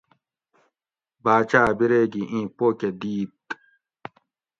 باچاۤ بِرے گھی ایں پو کہ دِیت